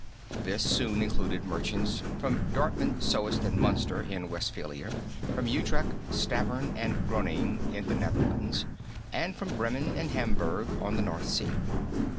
This soon included merchants from Dortmund, Soest and Munster, in Westphalia; from Utrecht, Stavern and Groningen, in the Netherlands, and from Bremen and Hamburg on the North Sea.